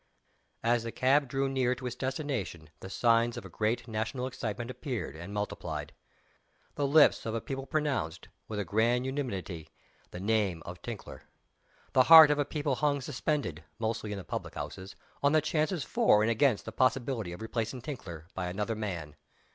As the cab drew near to its destination the signs of a great national excitement appeared, and multiplied. The lips of a people pronounced, with a grand unanimity, the name of "Tinkler." The heart of a people hung suspended (mostly in the public houses) on the chances for and against the possibility of replacing "Tinkler" by another man.